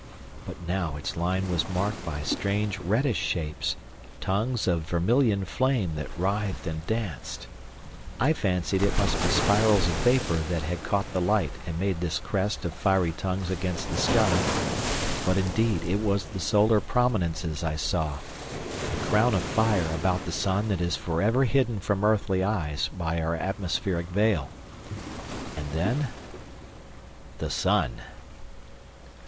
But now its line was marked by strange reddish shapes, tongues of vermilion flame that writhed and danced. I fancied it must be spirals of vapour that had caught the light and made this crest of fiery tongues against the sky, but indeed it was the solar prominences I saw, a crown of fire about the sun that is forever hidden from earthly eyes by our atmospheric veil. And then—the sun!